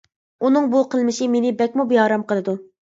ئۇنىڭ بۇ قىلمىشى مېنى بەكمۇ بىئارام قىلىدۇ.